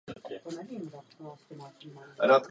Musíme změnit politické a morální klima.